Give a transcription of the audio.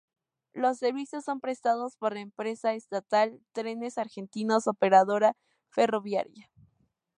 Los servicios son prestados por la empresa estatal Trenes Argentinos Operadora Ferroviaria.